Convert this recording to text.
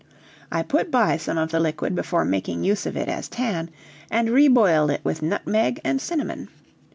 I put by some of the liquid before making use of it as tan, and reboiled it with nutmeg and cinnamon.